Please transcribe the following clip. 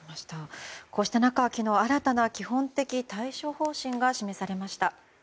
こうした中で昨日新たな基本的対処方針が示されました。